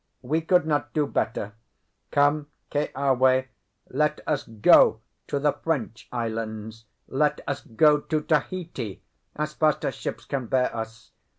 We could not do better. Come, Keawe, let us go to the French islands; let us go to Tahiti, as fast as ships can bear us.